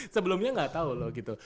sebelumnya nggak tahu loh gitu